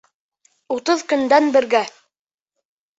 Утыҙ көндән бергә!